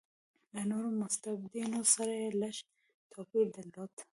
له نورو مستبدینو سره یې لږ توپیر درلود.